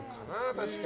確かに。